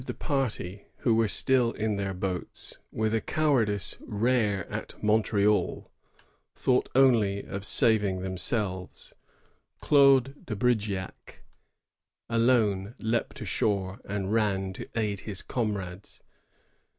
] DEATH OP VIGNAJL 118 party, who were still in their boats, with a cowardice rare at Montreal, thought only of saving themselyes. Claude de Brigeac alone leaped ashore and ran to aid his comrades.